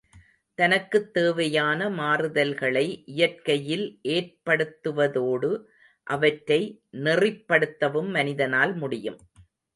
தனக்குத் தேவையான மாறுதல்களை இயற்கையில் ஏற்படுத்துவதோடு அவற்றை நெறிப்படுத்தவும் மனிதனால் முடியும்.